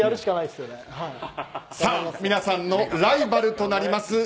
皆さんのライバルとなります